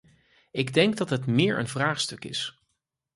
Ik denk dat het meer een vraagstuk is.